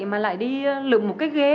mà lại đi lượm một cái ghế